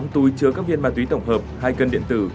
tám mươi tám túi chứa các viên ma túy tổng hợp hai cân điện tử